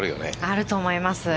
あると思います。